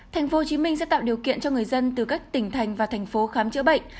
thành phố hồ chí minh sẽ tạo điều kiện cho người dân từ các tỉnh thành và thành phố khám chữa bệnh